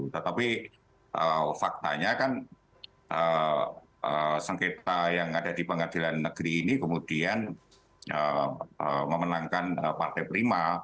tetapi faktanya kan sengketa yang ada di pengadilan negeri ini kemudian memenangkan partai prima